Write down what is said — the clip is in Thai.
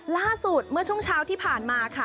ล่าสุดเมื่อช่วงเช้าที่ผ่านมาค่ะ